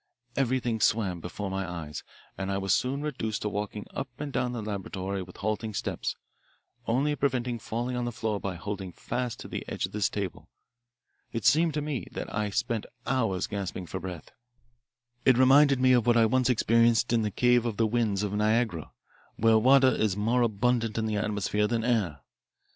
Everything swam before my eyes, and I was soon reduced to walking up and down the laboratory with halting steps, only preventing falling on the floor by holding fast to the edge of this table. It seemed to me that I spent hours gasping for breath. It reminded me of what I once experienced in the Cave of the Winds of Niagara, where water is more abundant in the atmosphere than air.